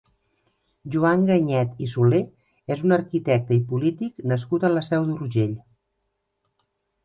Joan Ganyet i Solé és un arquitecte i polític nascut a la Seu d'Urgell.